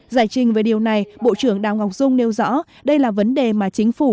giải trình về điều này bộ trưởng đào ngọc dung nêu rõ đây là vấn đề mà chính phủ